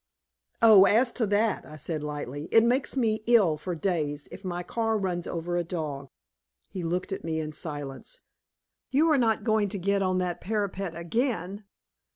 "Oh, as to that," I said lightly, "it makes me ill for days if my car runs over a dog." He looked at me in silence. "You are not going to get up on that parapet again?"